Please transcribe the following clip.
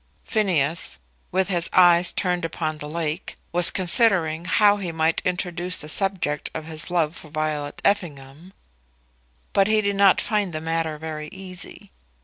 Phineas, with his eyes turned upon the lake, was considering how he might introduce the subject of his love for Violet Effingham; but he did not find the matter very easy.